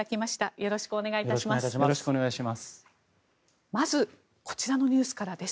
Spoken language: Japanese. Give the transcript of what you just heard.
よろしくお願いします。